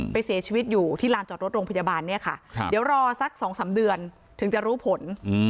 เสียชีวิตอยู่ที่ลานจอดรถโรงพยาบาลเนี่ยค่ะเดี๋ยวรอสัก๒๓เดือนถึงจะรู้ผล